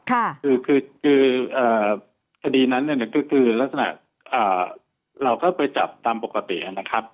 คือคือคดีนั้นเนี่ยก็คือลักษณะเราก็ไปจับตามปกตินะครับ